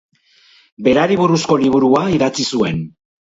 Berari buruzko liburua idatzi zuen.